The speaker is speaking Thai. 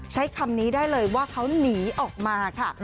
ใช้คำนี้ได้เลยว่าเขาหนีออกมาค่ะ